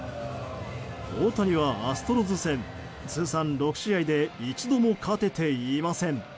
大谷はアストロズ戦通算６試合で一度も勝てていません。